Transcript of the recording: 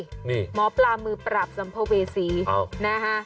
นี่หมอปลามือปราบสัมภเวษีนะฮะ